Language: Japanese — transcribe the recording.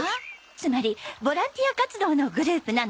つまりボランティア活動のグループなのね。